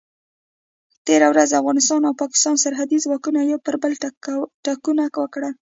تېره ورځ د افغانستان او پاکستان سرحدي ځواکونو یو پر بل ټکونه وکړل.